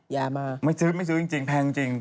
ยากมากไม่ซื้อไม่ซื้อจริงแพงจริง